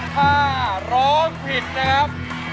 ถ้าร้องผิดนะครับ